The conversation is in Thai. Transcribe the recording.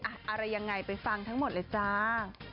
อะไรยังไงไปฟังทั้งหมดเลยจ้า